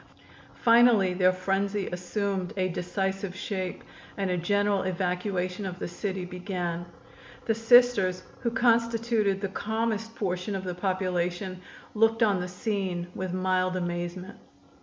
Finally their frenzy assumed a decisive shape and a general evacuation of the city began. The Sisters, who constituted the calmest portion of the population, looked on the scene with mild amazement.